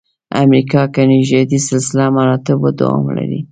امریکا کې نژادي سلسله مراتبو دوام لري.